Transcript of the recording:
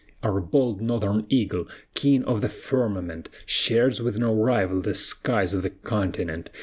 Our bold Northern eagle, king of the firmament, Shares with no rival the skies of the continent.